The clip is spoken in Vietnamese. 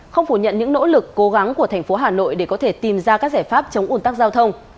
không phủ nhận những nỗ lực cố gắng của thành phố hà nội để có thể tìm ra các giải pháp chống ủn tắc giao thông